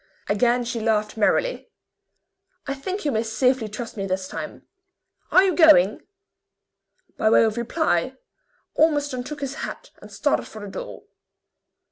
Again she laughed merrily. "I think you may safely trust me this time. Are you going?" By way of reply, Ormiston took his hat and started for the door.